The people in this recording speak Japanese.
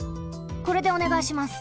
これでおねがいします。